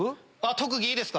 特技いいですか？